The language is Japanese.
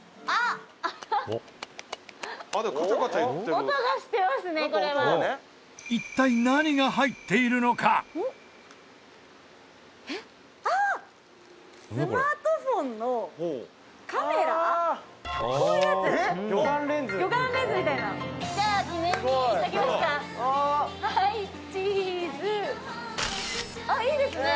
「あっいいですね！」